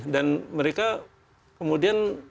dan mereka kemudian